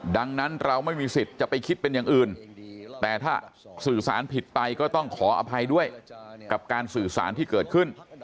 ดังนั้นเราไม่มีสิทธิ์จะไปคิดเป็นอย่างอื่นแต่ถ้าสื่อสารผิดไปก็ต้องขออภัยด้วยกับการสื่อสารที่เกิดขึ้น